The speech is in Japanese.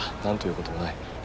何ということもない。